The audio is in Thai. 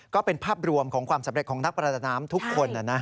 ก็เป็นภาพรวมของความสำเร็จของนักประดาน้ำทุกคน